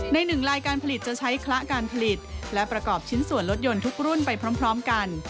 หนึ่งลายการผลิตจะใช้คละการผลิตและประกอบชิ้นส่วนรถยนต์ทุกรุ่นไปพร้อมกัน